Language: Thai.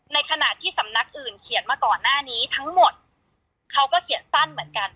ในขณะที่สำนักอื่นเขียนมาก่อนหน้านี้ทั้งหมดเขาก็เขียนสั้นเหมือนกัน